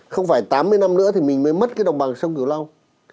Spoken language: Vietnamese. không phải tám mươi năm nữa thì mình mới mất cái đồng bằng sông cửu long